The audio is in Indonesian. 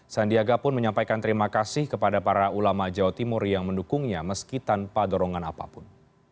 sandiaga pun menyampaikan terima kasih kepada para ulama jawa timur yang mendukungnya meski tanpa dorongan apapun